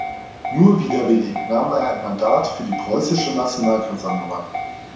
Nur widerwillig nahm er ein Mandat für die preußische Nationalversammlung an.